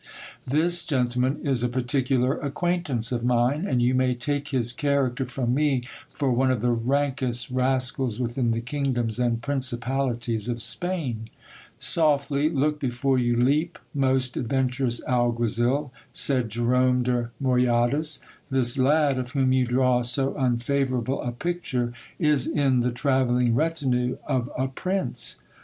This gentleman is a particular acquaintance of mine, and you may take his character from me for one of the rankest rascals within the kingdoms and principalities of Spain. Softly, look before you leap, most adventurous alguazil, said Jerome de Moyadas ; this lad, of whom you draw so unfavourable a picture, is in the travelling retinue of a prince.